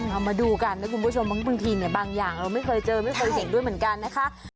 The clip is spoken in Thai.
เอามาดูกันนะคุณผู้ชมบางทีเนี่ยบางอย่างเราไม่เคยเจอไม่เคยเห็นด้วยเหมือนกันนะคะ